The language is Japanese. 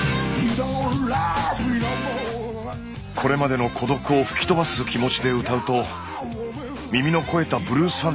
これまでの孤独を吹き飛ばす気持ちで歌うと耳の肥えたブルースファンたちがノリ始めました。